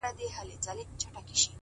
هر منزل د نوي سفر پیل وي؛